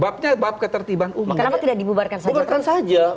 kenapa tidak dibubarkan saja